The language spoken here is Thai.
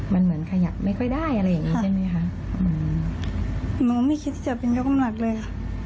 มันเหมือนขยับไม่ค่อยได้อะไรอย่างงี้ใช่ไหมคะอืมหนูไม่คิดที่จะเป็นยกน้ำหนักเลยค่ะ